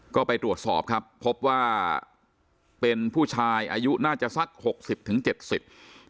ก็ไปตรวจสอบครับพบว่าเป็นผู้ชายอายุน่าจะสักหกสิบถึงเจ็ดสิบ